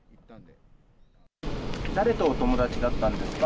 誰とお友達だったんですか？